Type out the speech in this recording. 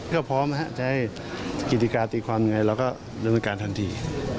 ก็พร้อมจะให้กิติกาติดความแล้วก็ละมือการทันที